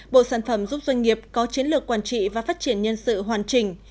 bộ sản phẩm giúp doanh nghiệp có chiến lược quản trị và phát triển nhân sự hoàn chỉnh